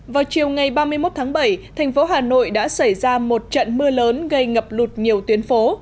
vào chiều ngày ba mươi một tháng bảy thành phố hà nội đã xảy ra một trận mưa lớn gây ngập lụt nhiều tuyến phố